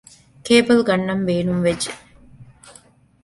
ކޭބަލް ގަންނަން ބޭނުންވެއްޖެ